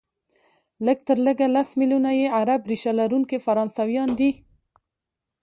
لږ تر لږه لس ملیونه یې عرب ریشه لرونکي فرانسویان دي،